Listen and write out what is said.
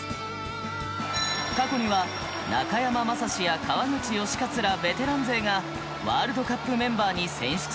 過去には中山雅史や川口能活らベテラン勢がワールドカップメンバーに選出。